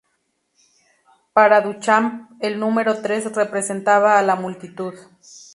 Para Duchamp el número tres representaba a la multitud.